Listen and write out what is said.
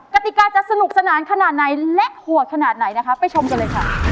กติกาจะสนุกสนานขนาดไหนและโหดขนาดไหนนะคะไปชมกันเลยค่ะ